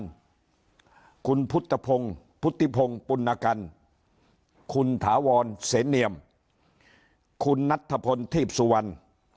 คุณพุทธพงศ์พุทธิพงศ์ปุณกันคุณถาวรเสนเนียมคุณนัทธพลทีพสุวรรณ